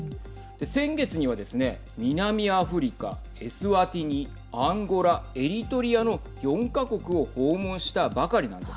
先月にはですね南アフリカ、エスワティニアンゴラ、エリトリアの４か国を訪問したばかりなんです。